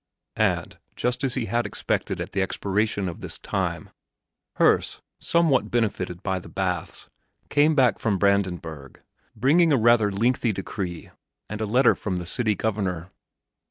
And, just as he had expected at the expiration of this time, Herse, somewhat benefited by the baths, came back from Brandenburg bringing a rather lengthy decree and a letter from the City Governor.